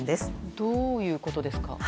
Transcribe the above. どういうことですか？